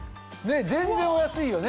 全然お安いよね。